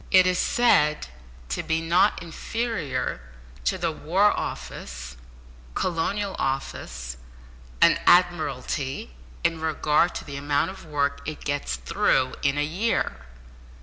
It is said to be not inferior to the War Office, Colonial Office, and Admiralty in regard to the amount of work it gets through in a year!